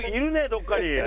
どこかに。